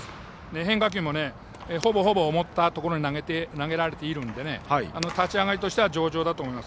変化球もね、ほぼほぼ思ったところに投げられているので立ち上がりとしては上々だと思います。